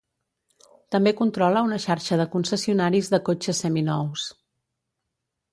També controla una xarxa de concessionaris de cotxes seminous.